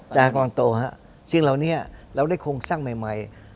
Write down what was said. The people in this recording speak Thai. จากกำลังโตฮะสิ่งเหล่านี้เราได้คงสร้างใหม่